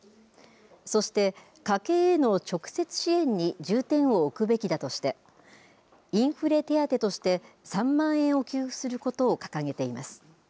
そして、家計への直接支援に重点を置くべきだとして、インフレ手当として３万円を給付することを掲げています。